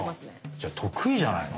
じゃ得意じゃないの？